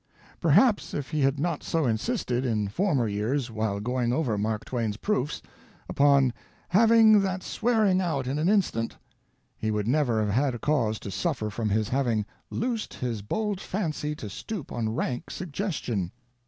Perhaps if he had not so insisted, in former years, while going over Mark Twain's proofs, upon 'having that swearing out in an instant,' he would never had had cause to suffer from his having 'loosed his bold fancy to stoop on rank suggestion.'